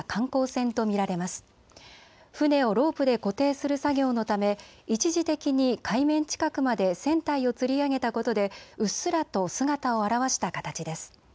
船をロープで固定する作業のため一時的に海面近くまで船体をつり上げたことでうっすらと姿を現した形です。